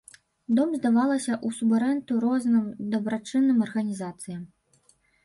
Дом здавалася ў субарэнду розным дабрачынным арганізацыям.